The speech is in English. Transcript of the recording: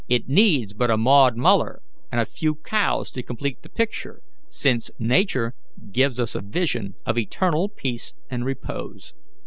It needs but a Maud Muller and a few cows to complete the picture, since Nature gives us a vision of eternal peace and repose."